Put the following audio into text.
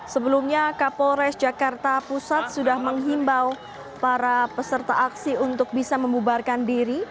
sebelumnya kapolres jakarta pusat sudah menghimbau para peserta aksi untuk bisa membubarkan diri